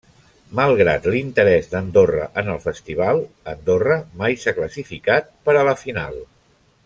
Malgrat l'interès d'Andorra en el festival, Andorra mai s'ha classificat per a la final.